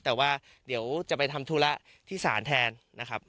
แต่ว่าเดี๋ยวจะไปทำธุระที่ศาลแทนนะครับ